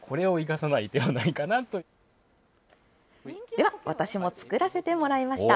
では、私も作らせてもらいました。